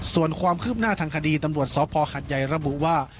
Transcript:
ส่วนความคืบหน้าทางคดีตำรวจสพหัดใหญ่ระบุว่า